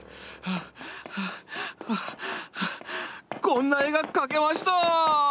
こんな絵が描けました！